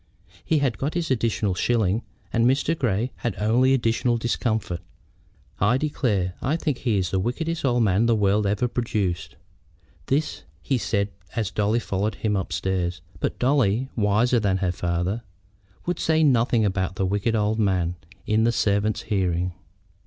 He had got his additional shilling, and Mr. Grey had only additional discomfort. "I declare I think he is the wickedest old man the world ever produced." This he said as Dolly followed him upstairs; but Dolly, wiser than her father, would say nothing about the wicked old man in the servants' hearing.